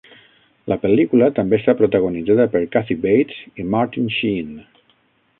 La pel·lícula també està protagonitzada per Kathy Bates i Martin Sheen.